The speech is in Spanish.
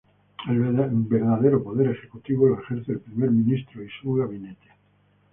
El verdadero poder ejecutivo lo ejerce el primer ministro y su gabinete.